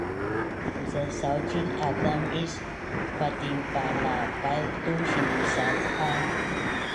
Tusasaucin azam is patinpalavaz tu sintusauc a